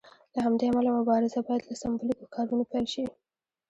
له همدې امله مبارزه باید له سمبولیکو کارونو پیل شي.